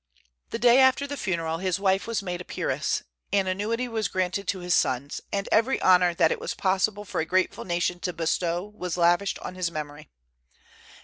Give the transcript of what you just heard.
The day after the funeral his wife was made a peeress, an annuity was granted to his sons, and every honor that it was possible for a grateful nation to bestow was lavished on his memory.